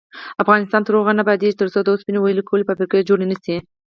افغانستان تر هغو نه ابادیږي، ترڅو د اوسپنې ویلې کولو فابریکې جوړې نشي.